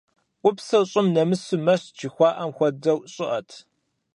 Ӏупсыр щӀым нэмысыу мэщт жыхуаӏэм хуэдэу щӏыӏэт.